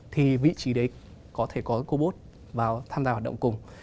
thì vị trí đấy có thể có cái cô bốt vào tham gia hoạt động cùng